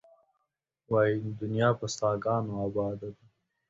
وایې دنیا په ساده ګانو آباده ده.